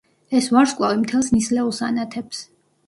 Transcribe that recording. ეს ვარსკვლავი მთელს ნისლეულს ანათებს.